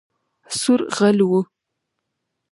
سور غل وو